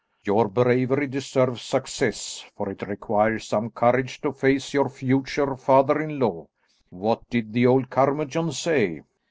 Your bravery deserves success, for it requires some courage to face your future father in law. What did the old curmudgeon say?"